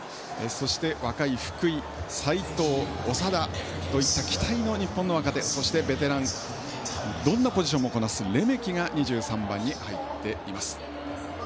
そして、若い福井、齋藤、長田といった期待の日本の若手そしてベテランどんなポジションもこなすレメキが２３番に入っています。